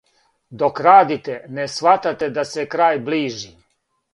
Док радите, не схватате да се крај ближи.